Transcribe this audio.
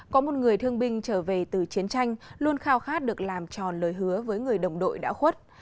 có một người thương binh trở về từ chiến tranh luôn khao khát được làm tròn lời hứa với người đồng đội đã khuất